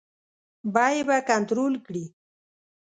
بیې به کنټرول کړي.